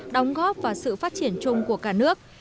đóng góp vào sự phát triển chung của cả nước